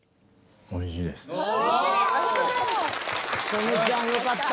曽根ちゃんよかった。